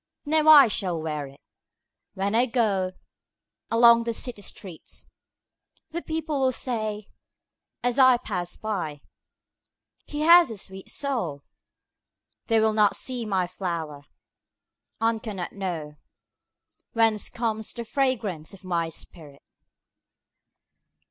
Now I shall wear itWhen I goAlong the city streets:The people will sayAs I pass by—"He has a sweet soul!"They will not see my flower, And cannot knowWhence comes the fragrance of my spirit!